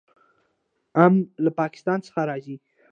ام له پاکستان څخه راځي.